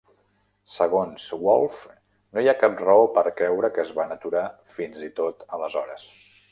Segons Wolf, no hi ha cap raó per creure que es van aturar fins i tot aleshores.